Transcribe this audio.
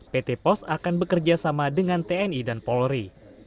pt pos akan bekerjasama dengan tni dan polri